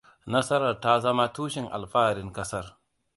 Nasarar ta zama tushen alfaharin ƙasar.